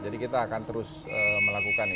jadi kita akan terus melakukan ini